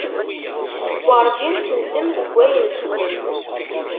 Werǧin tendem deg wayen texdem.